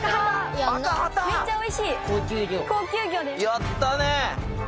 やったね。